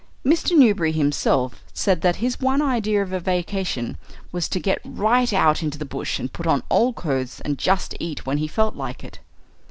Mr. Newberry himself said that his one idea of a vacation was to get right out into the bush, and put on old clothes, and just eat when he felt like it.